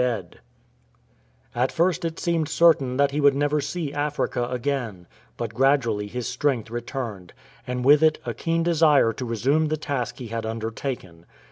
124 THE TASK RESUMED At first it seemed certain that he would never see Africa again ; but gradually his strength returned, and with it a keen desire to resume the task he had under taken.